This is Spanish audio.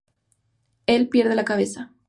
Él pierde la cabeza.